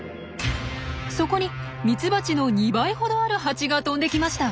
そこにミツバチの２倍ほどあるハチが飛んできました。